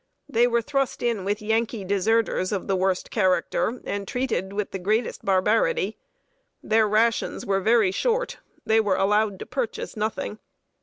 They were thrust in with Yankee deserters of the worst character, and treated with the greatest barbarity. Their rations were very short; they were allowed to purchase nothing.